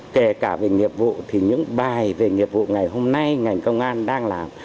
kể cả về nghiệp vụ thì những bài về nghiệp vụ ngày hôm nay ngành công an đang làm